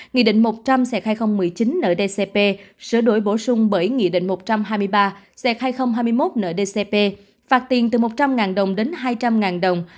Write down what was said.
nghị định một trăm linh c hai nghìn một mươi chín ndcp sửa đổi bổ sung bởi nghị định một trăm hai mươi ba hai nghìn hai mươi một ndcp phạt tiền từ một trăm linh đồng đến hai trăm linh đồng